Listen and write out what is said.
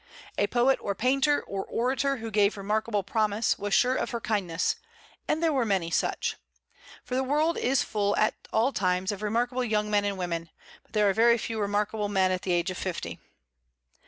A poet, or painter, or orator, who gave remarkable promise, was sure of her kindness; and there were many such. For the world is full at all times of remarkable young men and women, but there are very few remarkable men at the age of fifty.